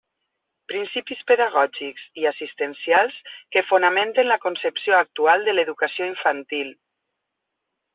Principis pedagògics i assistencials que fonamenten la concepció actual de l'educació infantil.